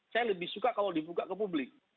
saya lebih suka kalau dibuka ke publik